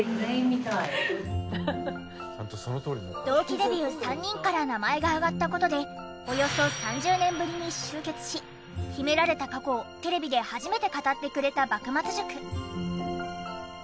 同期デビュー３人から名前が挙がった事でおよそ３０年ぶりに集結し秘められた過去をテレビで初めて語ってくれた幕末塾。